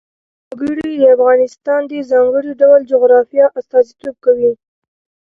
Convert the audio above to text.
وګړي د افغانستان د ځانګړي ډول جغرافیه استازیتوب کوي.